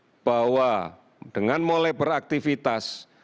kita bahwa dengan mulai beraktivitas